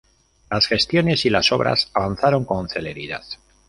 Las gestiones y las obras avanzaron con celeridad.